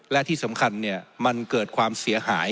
และที่สำคัญมันเกิดความเสียหาย